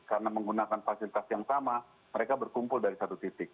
karena menggunakan fasilitas yang sama mereka berkumpul dari satu titik